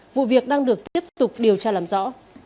vụ việc đang được tiếp tục điều tra làm rõ